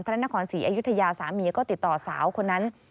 พระนครศรีอยุธยาสามีก็ติดต่อสาวคนนั้น